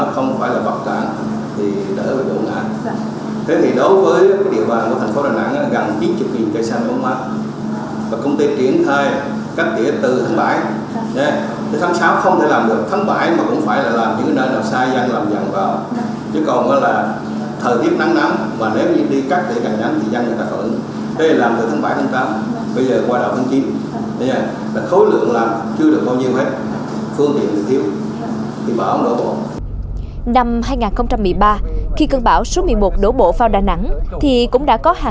không phải cây trầm bị ngã nhiều là lỗi do cây đổ bị trầm